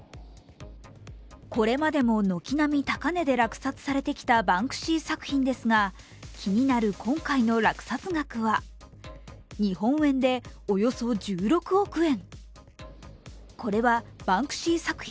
これまでも軒並み高値で落札されてきたバンクシー作品ですが気になる今回の落札額は、日本円でおよそ１６億円。